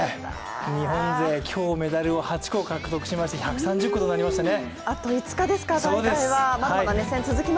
日本勢、今日メダルを８個獲得しまして、１３０個となりましたね。